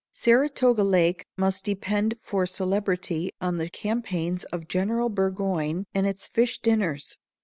Saratoga Lake must depend for celebrity on the campaigns of General Burgoyne, and its fish dinners.